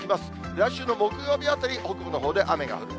来週の木曜日あたり、北部のほうで雨が降る。